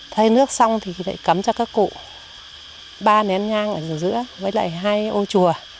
thay nước xong thì lại cấm cho các cụ ba nén ngang ở giữa với lại hai ô chùa